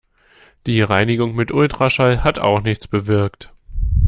Die Reinigung mit Ultraschall hat auch nichts bewirkt.